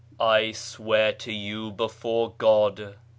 " I swear to you before God